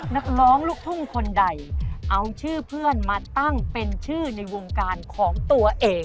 นักร้องลูกทุ่งคนใดเอาชื่อเพื่อนมาตั้งเป็นชื่อในวงการของตัวเอง